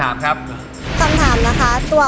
พี่ฟองอีก๑ดวงดาว